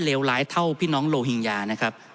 ท่านประธานครับนี่คือสิ่งที่สุดท้ายของท่านครับ